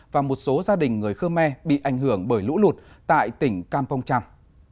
và một số gia đình người khơ me bị ảnh hưởng bởi lũ lụt tại tỉnh campong trang